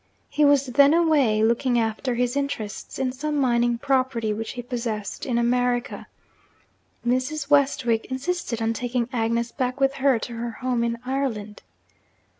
He was then away, looking after his interests in some mining property which he possessed in America. Mrs. Westwick insisted on taking Agnes back with her to her home in Ireland.